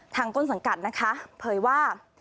ต้นสังกัดนะคะเผยว่า